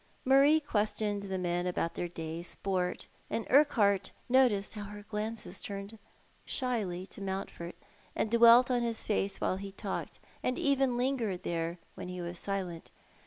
l\Iario questioned the men about their day's sport, and Urquhart noticed how her glances turned shyly to Monntford, and dwelt on his face while he talked, and even lingered there when lie was silent.